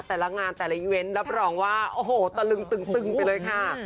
แต่ละงานแต่ละอีเวนต์รับรองว่าโอ้โหตะลึงตึงไปเลยค่ะ